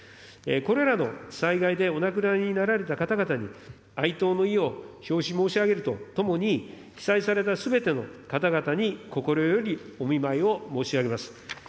これらの災害でお亡くなりになられた方々に、哀悼の意を表し申し上げるとともに、被災されたすべての方々に、心よりお見舞いを申し上げます。